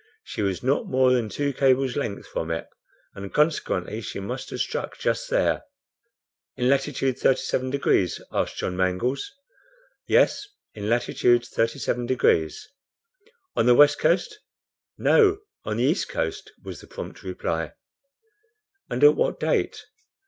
She was not more than two cables' length from it and consequently she must have struck just there." "In latitude 37 degrees?" asked John Mangles. "Yes, in latitude 37 degrees." "On the west coast?" "No, on the east coast," was the prompt reply. "And at what date?"